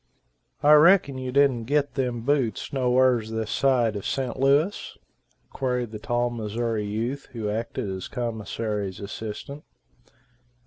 "I reckon you didn't git them boots no wher's this side o' Sent Louis?" queried the tall Missouri youth who acted as commissary's assistant.